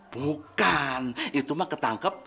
bukan itu mah ketangkep